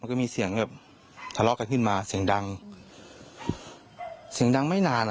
ก็มีเสียงแบบทะเลาะกันขึ้นมาเสียงดังเสียงดังไม่นานอ่ะ